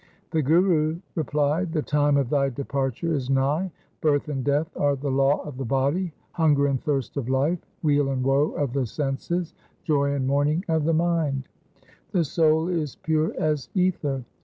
The Guru replied, ' The time for thy departure is nigh. Birth and death are the law of the body ; hunger and thirst of life ; weal and woe of the senses ; joy and mourning of the mind. The soul is pure as ether.